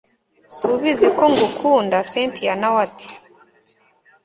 subizi ko ngukunda cyntia nawe ati